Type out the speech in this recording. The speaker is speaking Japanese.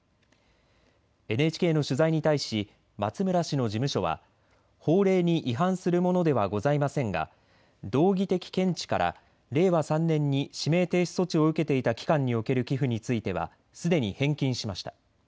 ＮＨＫの取材に対し松村氏の事務所は法令に違反するものではございませんが道義的見地から令和３年に指名停止措置を受けていた期間における寄付についてはすでに返金しました。